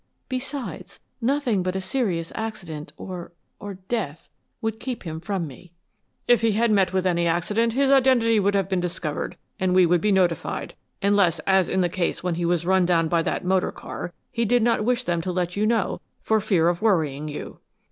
Besides, nothing but a serious accident or or death would keep him from me!" "If he had met with any accident his identity would have been discovered and we would be notified, unless, as in the case when he was run down by that motor car, he did not wish them to let you know for fear of worrying you."